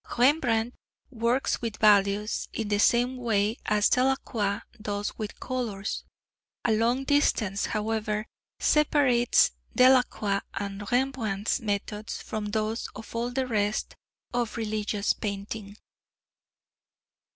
Rembrandt works with values in the same way as Delacroix does with colours. A long distance, however, separates Delacroix' and Rembrandt's methods from those of all the rest of religious painting.